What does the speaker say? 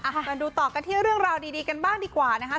มาดูต่อกันที่เรื่องราวดีกันบ้างดีกว่านะคะ